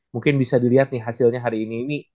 mungkin bisa dilihat nih hasilnya hari ini